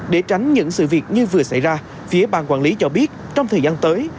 để tránh những sự việc như vừa xảy ra phía bàn quản lý cho biết trong thời gian tới